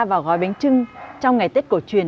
vào gói bánh trưng trong ngày tết cổ truyền